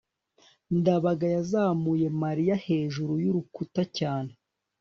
ndabaga yazamuye mariya hejuru y'urukuta cyane